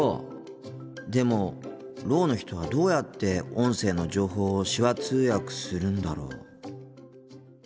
でもろうの人はどうやって音声の情報を手話通訳するんだろう。